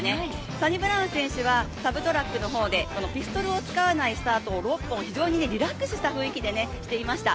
サニブラウン選手はサブトラックの方でピストルを使わないスタートを非常にリラックスして行っていました。